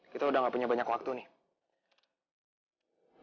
kita udah gak punya banyak waktu nih